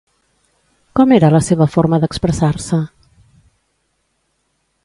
Com era la seva forma d'expressar-se?